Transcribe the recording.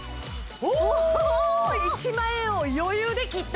おーっ１万円を余裕で切った！